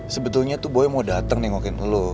sebetulnya tuh boy mau dateng nengokin lo